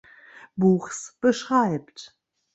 Buchs beschreibt.